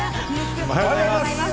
おはようございます。